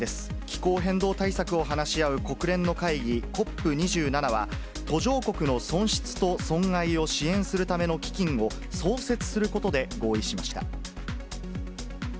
気候変動対策を話し合う国連の会議、ＣＯＰ２７は途上国の損失と損害を支援するための基金を創設することで合意しました。